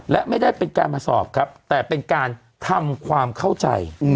และไม่ได้เป็นการมาสอบครับแต่เป็นการทำความเข้าใจ